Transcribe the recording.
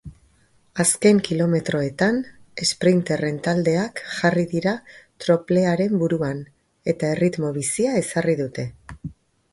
Azken kilometroetan esprinterren taldeak jarri dira troplearen buruan eta erritmo bizia ezarri dute.